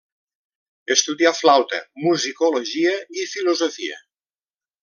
Estudià flauta, musicologia i filosofia.